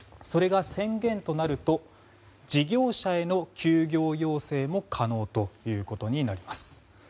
それが宣言となると事業者への休業要請も可能ということになります。